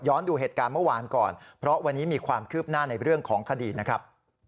ดูเหตุการณ์เมื่อวานก่อนเพราะวันนี้มีความคืบหน้าในเรื่องของคดีนะครับ